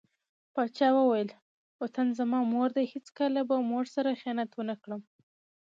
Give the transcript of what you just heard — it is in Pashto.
پاچا وويل: وطن زما مور دى هېڅکله او به مور سره خيانت ونه کړم .